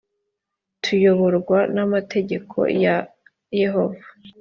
tuyoborwa n amategeko ya yehova